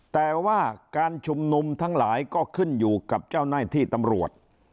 แต่ว่าการชุมนุมทั้งหลายก็ขึ้นอยู่กับเจ้าหน้าที่ตำรวจ